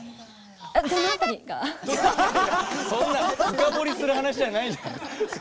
そんな深掘りする話じゃないじゃん。